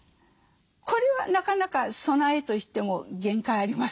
これはなかなか備えとしても限界ありますよね。